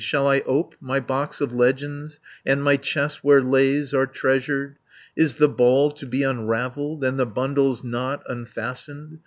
Shall I ope my box of legends, And my chest where lays are treasured? Is the ball to be unravelled, And the bundle's knot unfastened?